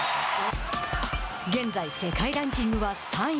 現在世界ランキングは３位。